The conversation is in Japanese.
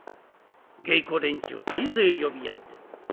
芸子連中大勢呼び合って。